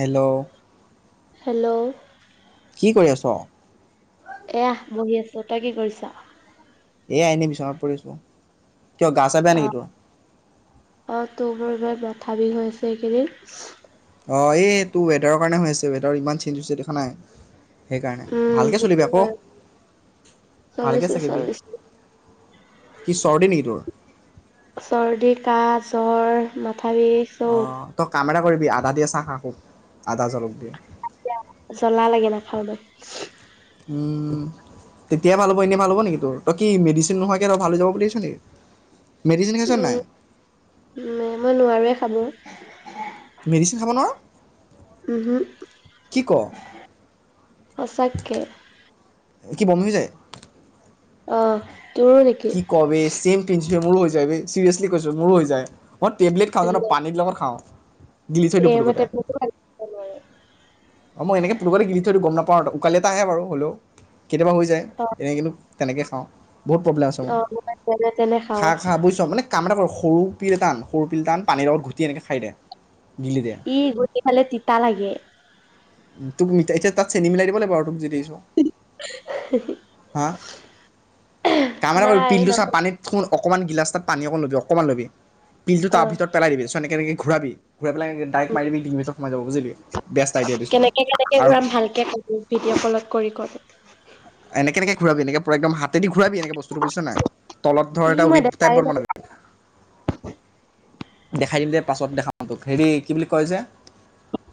Hello. Hello কি কৰি আছ? এয়া বহি আছো তই কি কৰিছ? এ আইনে বিচনাত পৰিছো। কিয় গা চা বেয়া অ নেকি তোৰ? মাথাবিষ হৈছে এইকেইদিন। অ এইটো ৱেডাৰৰ কাৰণে হৈ আছে ৱেডাৰ ইমান চেঞ্জ হৈছে, দেখা নাই? সেইকাৰণে উম ভালকৈ সেইটো চলিবি আকৌ হয় ভালকৈ চলিছো চাকিবি চলিছো কি চৰ্দি নেকি তোৰ চৰ্দি কাহ জ্বৰ মাথা বিষ চব অ' তই কাম এটা কৰিবি আদা দিয়ে চাহ খা খুব আদা জালুক দিয়া। জলা লাগে নাখাও মই। উম তেতিয়াই ভাল হ'ব এনেই ভাল হ'ব নেকি তোৰ, তই কি মেডিচিন নোহোৱাকৈ আৰু ভাল হৈ যাব বুলি ভাৱিছ নেকি? মেডিচিন খাইচ উম নাই? উম, মই নোৱাৰোৱে খাব। মেডিচিন খাব নোৱাৰ? উহু কি ক? সঁচাকে। কি বমি হৈ যায়? অ তোৰো নেকি? কি ক বে ছেম প্ৰিন্সিপাল মোৰো হৈ যায় বে চিৰিয়াচলি কৈছো মোৰো হৈ যায় মই টেবলেট খাওঁ জানা পানীৰ লগত খাও গিলি‌ থৈ দিও পোটোকে এইমতে তা অ মই এনেকে পোটো কিনি গিলি থৈ দিও গম নাপা আপ উকাল এটা আহে বাৰু হ'লেও কেতিয়াবা হৈ যায় অ এনে কিন্তু তেনেকেই খাওঁ বহুত প্ৰব্লেম আছে অ মোৰ মই যেনে তেনে খা খাওঁ খা বুজিছ মানে কাম এটা কৰো সৰু পিল টান সৰু পিল টান পানীৰ লগত ঘুটি এনেকৈ খাই দে গিলি দে ই গোটেই ফালে তিতা লাগে। তোক এতিয়া তাত চেনি মিলাই দিব লাগে বাৰু তোক যি দেখিছোঁ হা কাম এটা কৰিবি নাই ন পিলটো চা পানীত ফোন অকণমান গিলাছ তাত পানী অকণ লবি অকণমান লবি পিলটো অ তাৰ ভিতৰত পেলাই দিবি চোন এনেকে কেনেকে ঘূৰাবি ঘোৰাই পেলাই ডাইৰেক্ট উম, মাৰি দিবি মা যাব বুজিলি বেষ্ট আইডিয়া দিছোঁ কেনেকে কেনেকে আৰু ঘূৰাম ভালকে ক ভিডিঅ' কলত কৰি কৰ এনেকে এনেকে ঘূৰাবি এনেকে পুৰা একদম হাতেদি ঘুৰাবি এনেকে বস্তুটো বুজিছ নাই তলত ধৰ এটা ৱেব টাই বন লাগে [inaudible] দেখাই দিম দে পাছত দেখাম তোক হেৰি কি বুলি কয় যে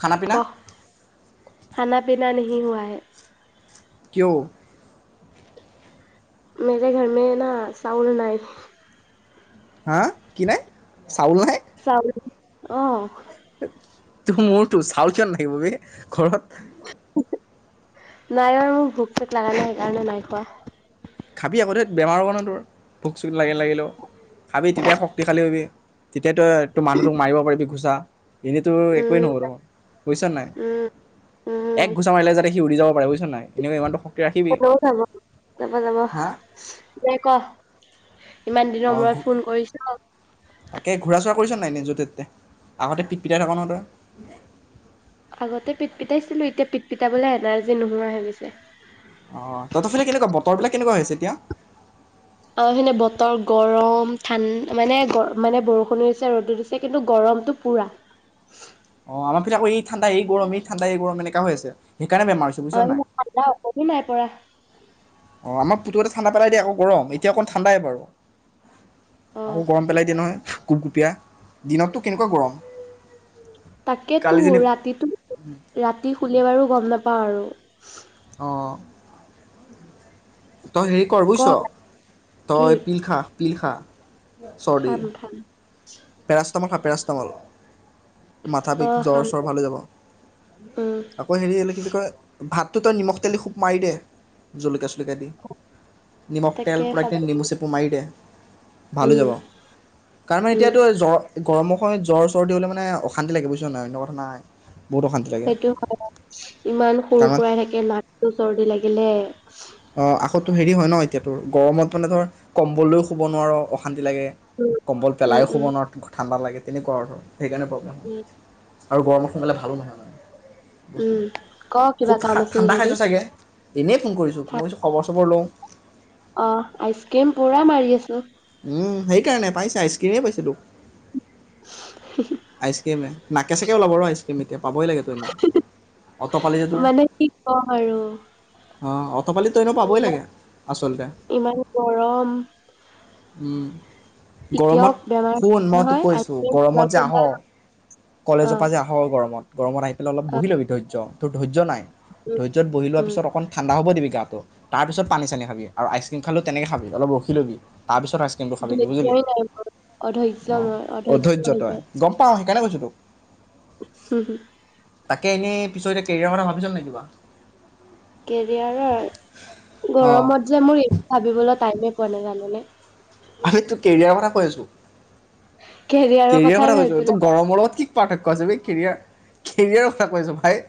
খানা ক পিনা খানা পিনা নাহি হোৱা হে কিয়ো মেৰে ঘৰ মে না চাউল নাই। হা কি নাই চাউল নাই চাওল আহ তোৰ মোৰতো চাউল কিয় নাথাকিব বে ঘৰত নাই বাৰু মোক ভোক চোক লগা নাই সেইকাৰণে নাই খোৱা খাবি আকৌতে বেমাৰ হব' ন তোৰ ভোক চোক লাগিল লাগিলেও খাবি তেতিয়া শক্তিশালী হবি তেতিয়াতো তোৰ মানুহটোক মাৰিব পাৰিবি ঘুচা এনেইতো একোৱেই উম নহব তই বুজিছ নাই উম উম এক ঘোচা মাৰিলে যাতে সি উৰি যাব প বুজিছ নাই ইমানটো ৰাখিবি হল হাব [inaudible] হা যাবাই ক ইমান দিনৰ অঁ মূৰত ফোন কৰিছ তাকে ঘূৰা চুৰা কৰিছ নাই নে যতে ততে আগতে পিটপিটাই থাক ন তই আগতে পিট পিটাইছিলো এতিয়া পিট পিটাবলে এনাৰ্জি নোহোৱা হৈ গৈছে অ' তহঁতৰ ফালে কেনেকুৱা বতৰবিলাক কেনেকুৱা হৈছে এতিয়া আহ হেনে বতৰ গৰম ঠাণ্ডা মানে মানে বৰষুণ হৈছে ৰ'দত হৈছে কিন্তু গৰমতটো পুৰা অ আমাৰ পিনে আকৌ এই ঠাণ্ডা এই গৰম এই ঠাণ্ডা এই গৰম এনেকা হৈ আছে সেইকাৰণে বেমাৰ হৈছে বুজিছ নাই [unintelligible] অ আমাৰ পুতুৱাতে ঠাণ্ডা পেলাই দিয়ে আকৌ গৰম এতিয়া অকণ ঠাণ্ডাই বাৰু। অ আকৌ গৰম পেলাই দিয়ে নহয়। গুপগুপীয়া দিনতটো কেনেকুৱা গৰম তাকেতো কালি যেনি ৰাতিতটো ৰাতি খুলে বাৰু গম নেপায় বাৰু অ তই হেৰি কৰ বুজিছ কওক কি তই পিলখা পিলখা। চৰ্দি খাম খাম পেৰাষ্টামল খা পেৰাষ্টামল। মাথা অ বিষ জ্বৰ খাম চ্বৰ ভালে যাব উম আকৌ হেৰি কি বুলি কয় ভাতটো তই নিমখ তেলি খুব মাৰি দে জলকীয়া চলকীয়া দি। নিমখ, তাকে তেল, খাব পোৰা নেমু চেপু মাৰি দে। ভাল হৈ উম যাব কাৰ নো উম এতিয়াতো জৰ গৰমক জ্বৰ চৰ্দি দিলে মানে অশান্তি লাগে বুজিছ নাই লগৰখন নাই। বহুত অশান্তি লাগে সেইটো হয় বাও ইমান সুৰ কাৰণ সুৰাই থাকে নাকটো চৰ্দি লাগিলে দিলে অ আখ হেৰি হয় ন এতিয়াতো গৰমত মানে ধৰ কম্বলেও শুব নোৱাৰো অশান্তি লাগে উম কম্বল উম পেলায়ো শুব উম নোৱাৰোঁ তোক ঠাণ্ডা লাগে তেনেকুৱা অৰ্থ সেইকাৰণে প্ৰব্লেম উম হয় আৰু গৰমত সোনকালে ভালো নহয় মানে উম বস্তুবোৰ ক খুব কিবা কাম আছিল ঠাণ্ডা যদি খাইছ চাগে, এনেই ফোন কৰিছোঁ। খবৰ চবৰ লওঁ অ আইচ ক্ৰীম পুৰা মাৰি আছো ওম সেইকাৰণে পাইছা আইচক্ৰীমেই পাইছে তোক আইচক্ৰিমে নাকে চাক। এতিয়া ওলাব ৰ আইচক্ৰীম। এতিয়া পাবই লাগে তই এনেও অতপালি যে মানে কি কওঁ আৰু অ অপ তপালি তইনো পাবই ইমান লাগে আচলতে। ইমান গৰম উম এতিয়াও গৰমত বেমাৰ শুন মই তোক নহয় কৈছো আইচক্ৰীম কোবাই গৰমত যে আহ কোবাই অ কলেজৰ পৰা যে আহ গৰমত গৰমত আহি পেলাই অলপ অ বহি লবি ধৈৰ্য্য তোৰ ধৈ য্য নাই উম ধৈৰ্য্যত বহি লোৱা উম পিছত অকমাণ ঠাণ্ডা হব দিবি গাটো তাৰ পিছত পানী চানী খাবি আৰু আইচক্ৰীম খালো তেনেকে খাবি অলপ ৰখি লবি তাৰ পিছত আইস্ক্ৰিমটো খাবি বুজিলি ধৈৰ্য্যই নাই মোৰ অধৈৰ্য্য অ মই অধৈৰ্য্য অধৈৰ্য হৈ তই যায় গম পাও সেই কাৰণে কৈছো তোক তাকে এনেই পিছত এতিয়া কেৰিয়াৰ কথা ভাবিচ নে নাই কিবা কেৰিয়াৰৰ অঁ গৰমত যে মোৰ এই ভাবিবলৈ টাইমে পোৱা নাই জান নে আমি তোৰ কেৰিয়াৰৰ কথা কৈ আছো কেৰিয়াৰৰ কেৰিয়াৰ কথাই কথা কৈছো ভাবিবলৈ তোৰ গৰমৰ লগত কি পাৰ্থক্য আছে এই কেৰিয়াৰ কেৰিয়াৰৰ কথা কৈছোঁ ভাই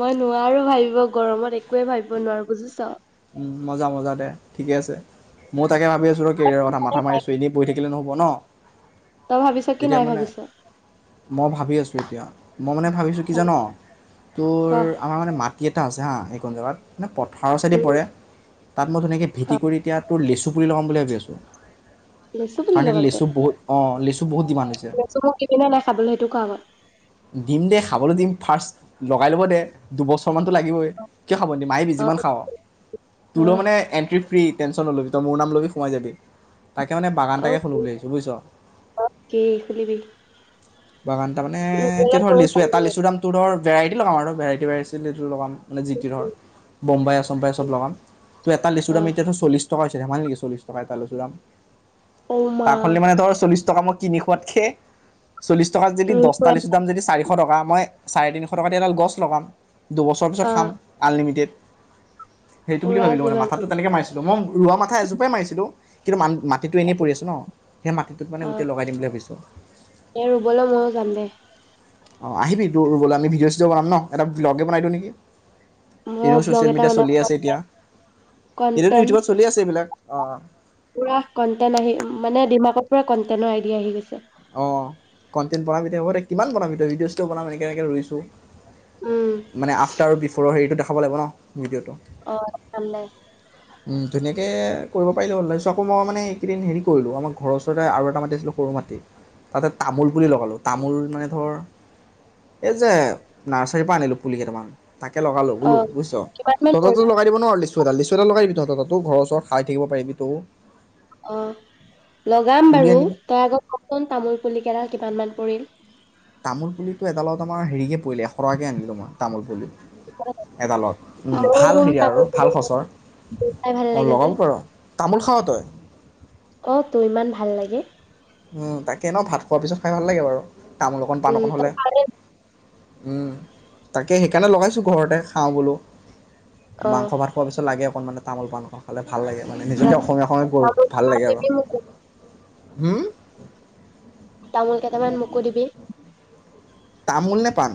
মই নোৱাৰো ভাবিব গৰমত একোৱে ভাবিব নোৱাৰো বুজিছ উম মজা মজা দে ঠিকে আছে ম তাকে ভাবি আছো ৰ কেৰিয়াৰৰ কথা মাথা মাৰিচো এনেই পঢ়ি থাকিলে নহ'ব ন তই ভাবিছ কি এতিয়া নাই মানে ভাবিছ মই ভাবি আছো এতিয়া মই মানে ভাবিছোঁ কি জান ভাবি তোৰ ক আমাৰ মানে মাটিত আছে হা এইখন জেগাত মানে প্ৰথম চদি উম পৰে তাত মই ধুনিয়াকৈ ক ভেটি কৰি এতিয়া তোৰ লিচু পুলি লগাম বুলি ভাবি আছো কাৰন লিচু বহুত অ লিচু লিচু মোৰ দিবিনে নাই খাবলৈ সেইটো ক আগত [inaudible] দিম দে খাবলৈ দিম ফাৰ্ষ্ট লগাই ল'ব দে দুবছৰমানটো লাগিবই কিয় খাব নিদিম আহিবি অ যিমান খাওঁ তোলৈ মানে এণ্ট্ৰি ফ্ৰী টেনশন নলবি তই মোৰ নাম লবি সোমাই যাবি তাকে মানে অ অ বাগানটাকে খোলো বুলি ভাবিছোঁ বুজিছ কি খুলিবি বাগান ত মানে ৰুবলৈ এতিয়া ধৰ গৈ লিচু এটা লিচু দামটো ধৰ ভেৰাইটি লগাম আৰু ভেৰাইটি ভেৰাইটি সেটো লগাম মানে জিটি ধৰ বুম্বাই আ চোম্বাই চব লগাম ত এটা লিচু অ দাম এতিয়া ধৰ চল্লি টকা হৈছে ধেমালি নেকি চল্লিছ টকা এটা লেচু ৰাম। ঔ মা তাৰ খলে মানে তোৰ চল্লিশ টকা মোৰ। কিনি খোৱাতকে। চল্লিছ টকাত যদি ৰুই দচ। থৈ চলিছ আহিম দাম যদি চাৰিশ। এশ টকা মই চাৰে তিনিশ টকাতে এডাল গছ লগাম। দুবছৰৰ পিছত অ খাম আনলিমিটেড। সেইটো বুলি পুৰা ভাবিলো মই যিমান মাথাতটো তেনেকে মাৰিছিলো মই। ৰোৱা মাথা এজোপ মাৰিছিলো কিন্তু মানুহ। মাটিটো এনেই পৰি আছে ন সেই মাটিতোত মানে গোটেই লগাই দিম বুলি ভাবিছোঁ। এ ৰুবলৈ ময়ো যাম দে। অ আহিবি তোৰ বলৈ আমি ভিডিঅ' চিডিঅ বনাম ন এটা বলগে বনাই দিওঁ নেকি? মই এনেও ব্লগ ছ'চিয়েল এটা মিডিয়া বনাব চলিয়ে আছে এতিয়া এতিয়াতো কটেন্ট ইউটিউবত চলি আছে এইবিলাক অ পুৰা কন্টেন্ট আহি মানে ডিমাকত। পৰা কণ্টেনৰ আইডি আহি গৈছে। অ কণ্টেইন বনাবি এতিয়া ক'ত আহিবি। কিমান বনাম তই ভিডিঅ চিজিঅটো বনাম এনেকে এনেকে ৰুইছোঁ। উম, মানে আফটাৰ আৰু বিফ'ৰৰ হেৰিটো। চাব লাগিব ন ভিডিঅ'টো। অ চালে। উম ধুনীয়াকে। কৰিব পাৰিলো হলে আকৌ মই মানে এইকেইদিন হেৰি কৰিলো আমাৰ ঘৰৰ ওচৰতে আৰু এটা মাটি আছিলো সৰু মাটি, তাতে তামোল পুলি লগালো তামোল মানে ধৰ এই যে নাৰ্চাৰীৰ পৰা আনিলো পুলি কেইটামান। তাকে লগালো বোলো অ' বুজিছ কিমান মান তলতো পৰিব? লগাই দিব নোৱাৰ লীচু লিচু এটা লগাই। তো ঘৰৰ ওচৰত খাই থাকিব পাৰিবি তো। অ। লগাম বাৰু আনিলোঁ তই আগত কচোন তামোল পুলিকেইডাল কিমান। কৰিল। তামোল পুলিটো এডালত আমাৰ হেৰিকে। পৰিলে এশৰাকৈ আনিলোঁ মই তামোল পুলি এডালত ময়ো ভাল ৰুম হেৰি তামোল আৰু পুলি ভাল খচৰ চাই ভাল অঁ লাগে যে। লগাব পাৰ। তামোল খাওঁ তই। অ তোৰ ইমান ভাল লাগে। তাকে ন ভাত খোৱাৰ পিছত খাই ভাল লাগে বাৰু। তামোল অকণ পাণ উম, অকণ তই হ'লে। পাৰে উম তাকে সেইকাৰণে লগাইছো ঘৰতে খাওঁ বোলো। অ' মাংস ভাত খোৱাৰ পিছত লাগে অকনমান। তামোল পানখন খালে ভা ভাল লাগে মানে নিজকে অসমীয়া অসমীয়া কৰো তামোল ভাল কেইটামান লাগে আৰু দিবি মোকো হুম তামোল কেইটামান মোকো দিবি তামোল নে পান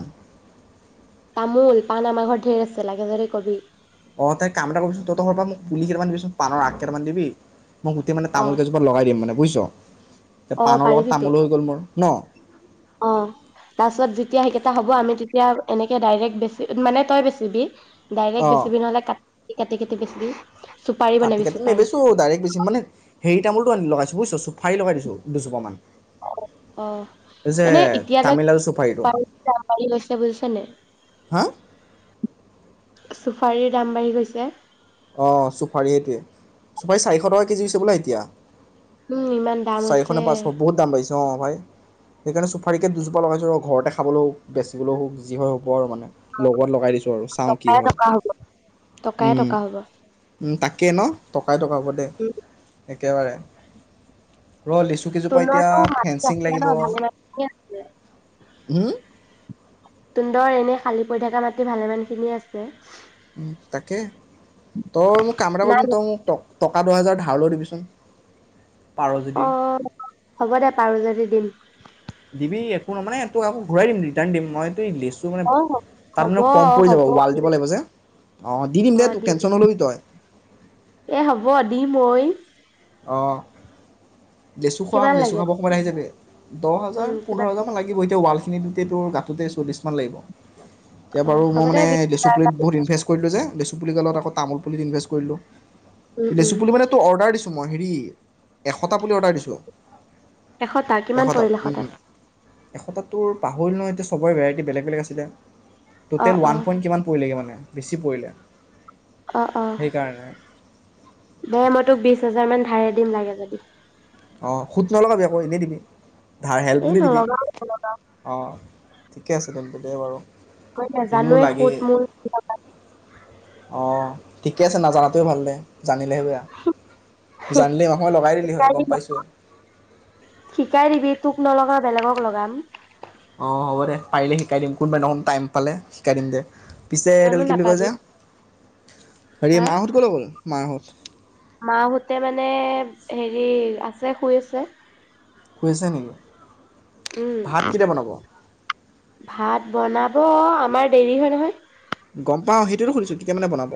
তামোল পাণ আমাৰ ঘৰত ঢেৰ আছে লাগে যদি কবি অ তাই কাম এটা কৰিবিচোন তহতৰ ঘৰৰ পৰা মোক পুলি কেইটামান দিবিচোন পানৰ আগ কেইটামান দিবি মই গোটেই মানে অ' তামলকেইজোপাত লগাই দিম মানে বুইছ তে অ' পাণৰ লগত পাৰিবিতো। তামোলো হৈ গ'ল মোৰ ন অ তাৰপাছত যেতিয়া সেইকেইটা হ'ব আমি তেতিয়া এনেকে ডাইৰেক্ট বেছি মানে তই বেচিবি ডাইৰেক্টে অ' বেছিবি নহ'লে কাটি কাটি কাটি বেছিবি কাটি কাটি নেবেছো ডাইৰেক্ট বেছিম মানে হেৰি তামোলটো আনি লগাইছো বুইছ চুফাৰি লগাই দিছো দুজোপামান অ এই যে মানে এতিয়ালৈ তামিলনাডু চুফাৰিটো চুপাৰি লৈছে বুজিছ নে হা চুফাৰীৰ দাম বাঢ়ি গৈছে অ চুফাৰী সেইটোৱে চুফাৰী চাৰিশ টকা কেজি হৈছে বোলে এতিয়া। উম ইমান দাম চাৰিশ হৈছে নে পাঁচশ বহুত দাম অ বাঢ়িছে ভাই সেইকাৰণে চুফাৰীকৈ দুজোপা লগাইছো ৰ ঘৰতে খাবলেও বেচিবলেও যি হয় হ'ব আৰু মানে লগত লগাই দিছো আৰু চাও কি টকাই হয় টকা হ'ব টকাই উম টকা হ'ব উম তাকেই ন টকাই টকাই দে উম একেবাৰে ৰ লিচু কেইজোপা এতিয়া তুন্দৰটো মাজতে ফেঞ্চিং আছিলে লাগিব ন ভালেমান খিনিয়ে আছিলে হুম, তুন্দৰ এনে খালী পৰি থকা মাটি ভালেমানখিনি আছে উ তাকে ত মোক কাম এটা কৰিবি নাই চোন তই মোক টক টকা দুহেজাৰ ধাৰলৈ দিবিচোন পাৰ অ যদি হ'ব দে পাৰো যদি দি দিম দিবি একো নাই মানে তোক আকৌ ঘূৰাই দিম ৰিটাৰ্ণ দিম মই তো লি চু মানে অ তাত হ'ব মানে কম হ'ব পৰি যাব ৱাল হ'ব। দিব লাগিব যে অ দি দিম অ দে তোক টেনশ্যন দিম। নল'বি তই এ হ'ব দিম ঐ অ লেচু খুৱাম কিমান লেচু লাগে খাব নো? সময়ত আহি যাবি দহ হাজাৰ উম পোন্ধৰ কিমান হাজাৰামান লাগিব এতিয়া ৱাল খিনিতে তোৰ গাঠোতে চল্লিছমান লাগিব এতিয়া অ বাৰু মই হ'ব দে মানে বিশ লেচু পুলিত বহুত ইনভেষ্ট কৰিলোঁ যে লিচু পুলি গালত আকৌ তামোল পুলিত ইনভেষ্ট কৰিলোঁ উম লিচু উম পুলি মানে তো অৰ্ডাৰ দিছো অ হেৰি এশ টা পুলি অৰ্ডাৰ দিছোঁ এশটা কিমান এশটা পৰিল এশটাত এশটাটো প হল ন এতিয়া চবৰে ভেৰাইটি বেলেগ বেলেগ আছিলে অ টোতেল অ ৱান পইট কিমান পৰিলেগে মানে বেছি পৰিলে অ অ সেইকাৰণে দে মই তোক বিশ হাজাৰ মান ধাৰে দিম লাগে যদি অ সোত নলগাবি আকৌ এনেই দিবি ধাৰ হেল্প এই বুলি দিবি নলগাও নলগাও অঁ ঠিকে আছে তেন্ত থিকে বাৰু মই এনেও জানোৱে সুত মূল কিহত লাগে। অ ঠিকে আছে নাজানাটোয়ে ভাল দে জানিলেহে বেয়া জানিলে নহয় লগাই দিলি হয় শিকাই গম দিবি পাইছো শিকাই দিবি তোক নলগাও বেলেকক লগাম অ হ'ব দে পাৰিলে শিকাই দিম কোনোবা দিনাখন টাইম পালে শিকাই দিম দে পিছে কিয়নো এইডাল কি বুলি কয় নাপাবি যে হেৰি হা মাহঁত ক'লে গ'ল মাহঁত মাহঁতে মানে হেৰি আছে শুই আছে শুই আছে নেকি ভাত উম কেতিয়া বনাব ভাত বনাব আমাৰ দেৰি হয় নহয় গম পাওঁ সেই টোয়েতো সোধিছোঁ কেতিয়া মানে বনাব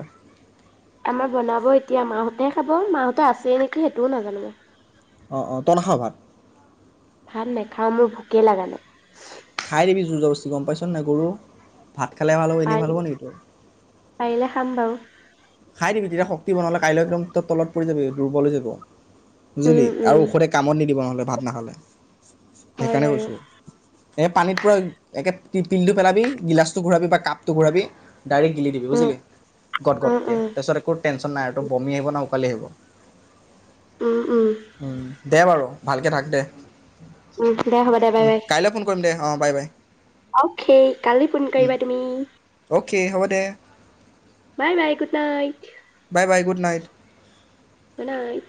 আমাৰ বনাব এতিয়া মাহঁতে খাব মাহঁতে আছে নেকি সেইটোও নাজানো অ অ তই নাখাৱ ভাত ভাত নেখাওঁ মোৰ ভোক ভোকে লাগা নাই। খাই দিবি জোৰ জবস্তি গম পাইছ নাই গৰু ভাত খালে ভাল হ'ব এনেই পাৰি ভাল হ'ব নেকি তোৰ পাৰিলে খাম বাৰু খাই দিবি তেতিয়া শক্তি বনালে কাইলৈ একদম ত তলত পৰি যাবি দুৰ্বল হৈ যাবি উম বুজিলি আৰু উম ঔষধে কামত নিদিব নহ'লে। ভাত নাখালে। হয় সেইকাৰণে বাৰু কৈছোঁ এই পানীত পূৰা একে পিলটো পেলাবি গিলাচটো ঘূৰাবি বা কাপটো ঘূৰাবি ডাইৰেক্ট গিলি দিবি উম বুজিলি গ'ট গ'ট উম উম তাৰপিছতে আকৌ টেনশ্যন নাই আৰুটো বমি আহিব ন উকালি আহিব উম দে বাৰু ভালকে থাকে দে উম দে হ'ব দে বাই উম, বাই কাইলৈ ফোন কৰিম দে অঁ বাই বাই অকে কালি ফোন উম, কৰিবা তুমি অ'কে হ'ব দে bye bye good night bye bye good night good night